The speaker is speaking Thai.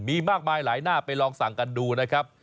มีมากมายหลายหน้าไปลองสั่งกันดูนะครับ